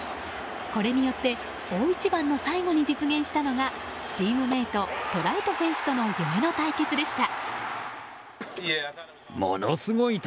これによって大一番の最後に実現したのがチームメート、トラウト選手との夢の対決でした。